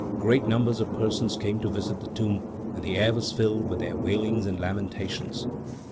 Great numbers of persons came to visit the tomb, and the air was filled with their wailings and lamentations.